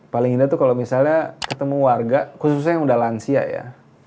paling indah tuh kalau misalnya ketemu warga khususnya yang udah lansia ya